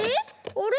あれ？